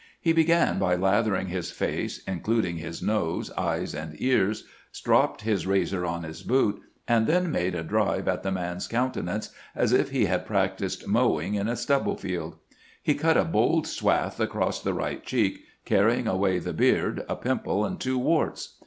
He began by lathering his face, including his nose, eyes, and ears, stropped his razor on his boot, and then made a drive at the man's countenance as if he had practised mowing in a stubble field. He cut a bold swath across the right cheek, carrying away the beard, a pimple, and two warts.